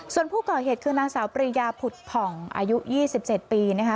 ส่วนผู้ก่อเหตุคือนางสาวปริยาผุดผ่องอายุ๒๗ปีนะคะ